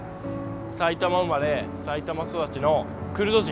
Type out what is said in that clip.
埼玉生まれ埼玉育ちのクルド人。